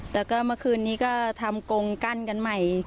แต่ก็เมื่อคืนนี้ก็ทำกงกั้นกันใหม่